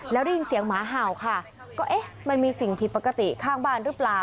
แล้วได้ยินเสียงหมาเห่าค่ะก็เอ๊ะมันมีสิ่งผิดปกติข้างบ้านหรือเปล่า